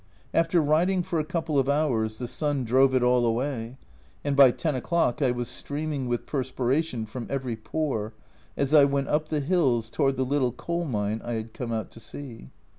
After riding for a couple of hours the sun drove it all away, and by 10 o'clock I was streaming with perspiration from every pore as I went up the hills toward the little coal mine I had come out to see.